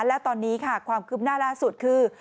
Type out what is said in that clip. และตอนนี้ค่ะความคึมน่ารุ่นสุดคือ